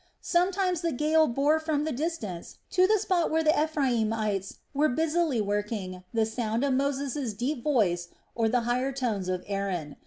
Sometimes the gale bore from the distance to the spot where the Ephraimites were busily working the sound of Moses' deep voice or the higher tones of Aaron.